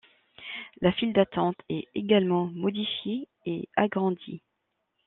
La file d'attente est également modifiée et agrandie.